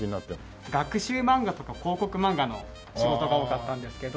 学習漫画とか広告漫画の仕事が多かったんですけど。